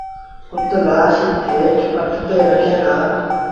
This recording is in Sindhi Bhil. اُت لآش هيٺ پٽ تي رکين دآ